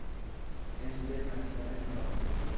حزب مصدر کار